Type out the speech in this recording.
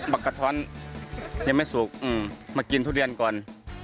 กระท้อนยังไม่สุกมากินทุเรียนก่อน